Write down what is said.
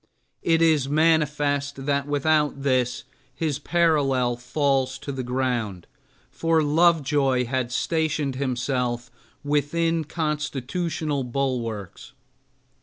It is manifest that without this his parallel falls to the ground, for Lovejoy had stationed himself within constitutional bulwarks.